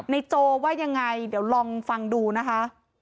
โจว่ายังไงเดี๋ยวลองฟังดูนะคะ